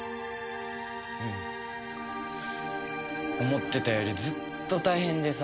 思ってたよりずっと大変でさ